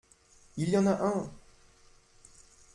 Il y en a un !…